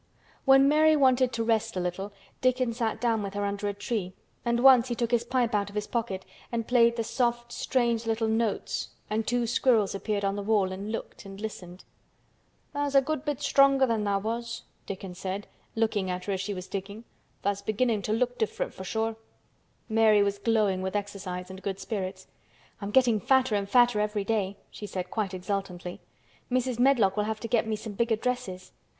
When Mary wanted to rest a little Dickon sat down with her under a tree and once he took his pipe out of his pocket and played the soft strange little notes and two squirrels appeared on the wall and looked and listened. "Tha's a good bit stronger than tha' was," Dickon said, looking at her as she was digging. "Tha's beginning to look different, for sure." Mary was glowing with exercise and good spirits. "I'm getting fatter and fatter every day," she said quite exultantly. "Mrs. Medlock will have to get me some bigger dresses.